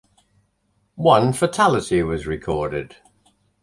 One fatality was recorded.